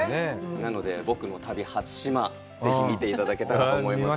なので、僕の旅、初島、ぜひ見ていただけたらと思います。